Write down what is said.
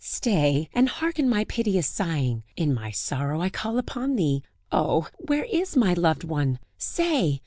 Stay, and hearken my piteous sighing! In my sorrow I call upon thee; Oh! where is my loved one? say!